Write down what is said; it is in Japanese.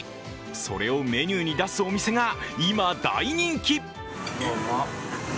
それをメニューに出すお店が今、大人気。